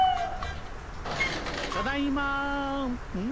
ただいまん？